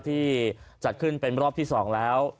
ที่จัดขึ้นเป็นรอบที่๒แล้ว